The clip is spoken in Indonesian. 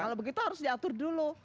kalau begitu harus diatur dulu